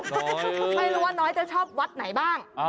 ไม่รู้ว่าน้อยจะชอบวัดไหนบ้าง